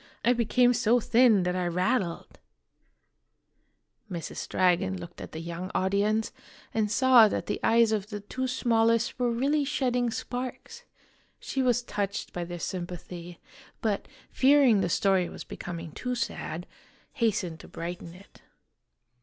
I became so thin that I rattled !" Mrs. Dragon looked at the young audience, and saw that the eyes of the two smallest were really shedding sparks. She was touched by their sympathy, but, fearing the story was becoming too sad, hastened to brighten it.